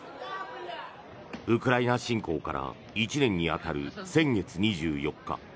ウクライナ侵攻から１年に当たる先月２４日